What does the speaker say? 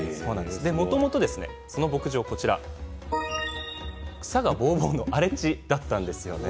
もともとこの牧場草ぼうぼうの荒地だったんですよね。